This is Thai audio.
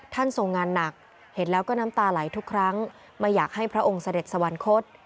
ทรงงานหนักเห็นแล้วก็น้ำตาไหลทุกครั้งไม่อยากให้พระองค์เสด็จสวรรคต